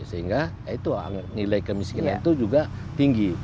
sehingga nilai kemiskinan itu juga tinggi